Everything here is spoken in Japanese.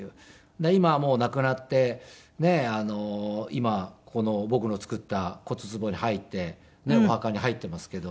今はもう亡くなってで今この僕の作った骨つぼに入ってお墓に入っていますけど。